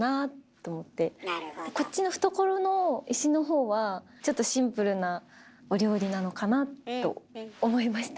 こっちの懐の石のほうはちょっとシンプルなお料理なのかなと思いました。